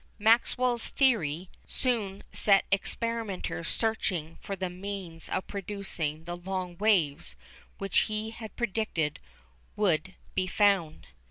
Maxwell's theory soon set experimenters searching for the means of producing the long waves which he had predicted would be found.